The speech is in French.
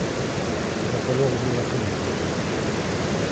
Il va falloir ouvrir la fenêtre maintenant…